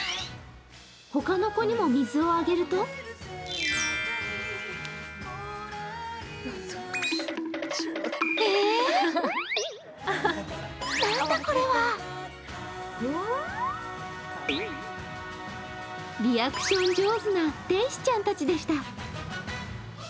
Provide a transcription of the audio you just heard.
他の子にも水をあげるとリアクション上手な天使ちゃんたちでした。